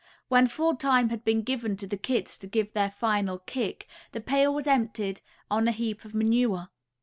When full time had been given to the kits to give their final kick, the pail was emptied on a heap of manure.